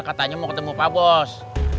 katanya mau ketemu pak bos